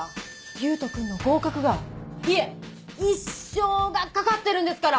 勇人君の合格がいえ一生が懸かってるんですから！